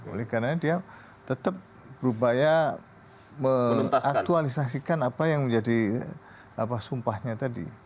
oleh karena dia tetap berupaya mengaktualisasikan apa yang menjadi sumpahnya tadi